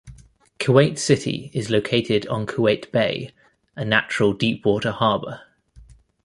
Kuwait City is located on Kuwait Bay, a natural deep-water harbor.